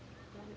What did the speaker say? dan kertas korban